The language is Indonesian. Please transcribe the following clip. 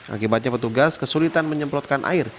akibatnya petugas kesulitan menyemprotkan air